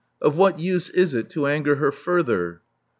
Of what use is it to anger her further?"